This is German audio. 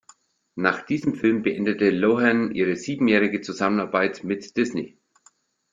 Nach diesem Film beendete Lohan ihre siebenjährige Zusammenarbeit mit Disney.